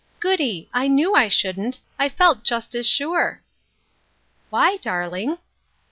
"Goody! I knew I shouldn't; I felt just as sure !" Why, darling